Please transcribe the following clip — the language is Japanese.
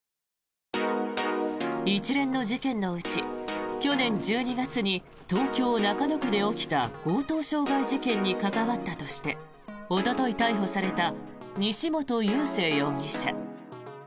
一連の事件のうち、去年１２月に東京・中野区で起きた強盗傷害事件に関わったとしておととい逮捕された西本佑聖容疑者。